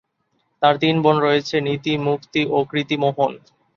তাঁর তিন বোন রয়েছে; নীতি, মুক্তি ও কৃতি মোহন।